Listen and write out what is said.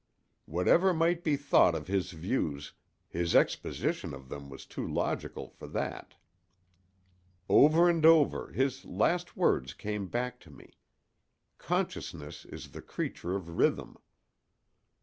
Whatever might be thought of his views, his exposition of them was too logical for that. Over and over, his last words came back to me: "Consciousness is the creature of Rhythm."